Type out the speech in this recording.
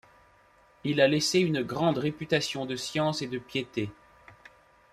Il a laissé une grande réputation de science et de piété.